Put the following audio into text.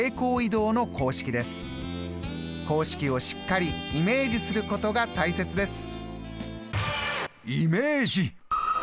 公式をしっかりイメージすることが大切です。